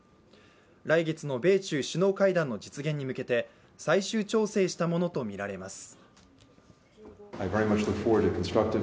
来月の米中首脳会談の実現に向けて最終調整したものとみられます。